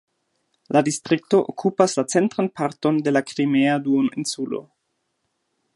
La distrikto okupas la centran parton de la Krimea duoninsulo.